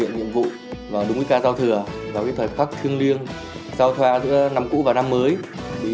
nhiệm vụ và đúng cái ca giao thừa vào cái thời khắc thương liêng giao thoa giữa năm cũ và năm mới